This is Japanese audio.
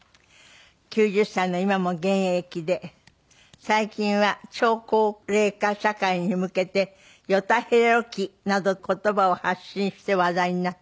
９０歳の今も現役で最近は超高齢化社会に向けて「ヨタヘロ期」など言葉を発信して話題になって。